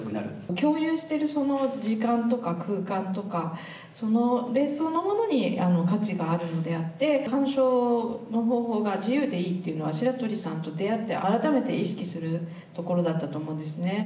共有している時間とか空間とかそのものに価値があるのであって鑑賞の方法が自由でいいというのは白鳥さんと出会って改めて意識するところだったと思うんですね。